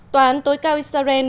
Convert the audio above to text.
tòa án tối cao israel